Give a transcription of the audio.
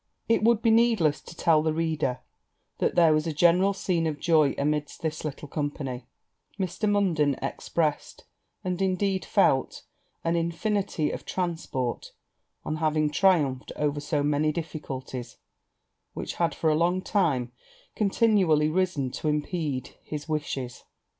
It would be needless to tell the reader that there was a general scene of joy amidst this little company: Mr. Munden expressed, and indeed, felt, an infinity of transport, on having triumphed over so many difficulties, which had for a long time continually risen to impede his wishes.